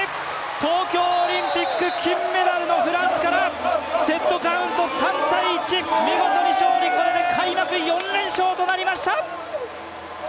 東京オリンピック金メダルのフランスからセットカウント３−１、見事に勝利、これで開幕４連勝となりました！